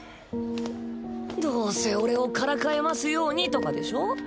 どうせ俺をからかえますようにとかでしょ。